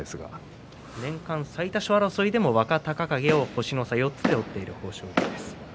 年間最多勝争いでも若隆景を追っている豊昇龍です。